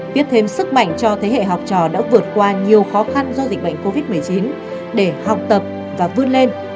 tiếp thêm sức mạnh cho thế hệ học trò đã vượt qua nhiều khó khăn do dịch bệnh covid một mươi chín để học tập và vươn lên